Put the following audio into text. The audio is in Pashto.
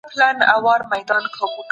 په ناحقه د بل چا مال مه اخلئ.